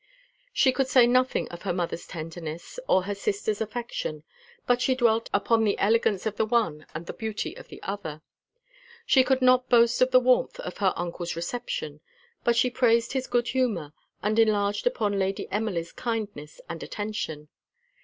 She could say nothing of her mother's tenderness or her sister's affection, but she dwelt upon the elegance of the one and the beauty of the other. She could not boast of the warmth of her uncle's reception, but she praised his good humour, and enlarged upon Lady Emily's kindness and attention.